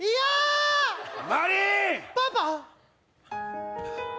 パパ！